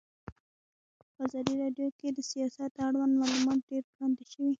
په ازادي راډیو کې د سیاست اړوند معلومات ډېر وړاندې شوي.